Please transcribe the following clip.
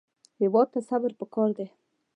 هېواد ته صبر پکار دی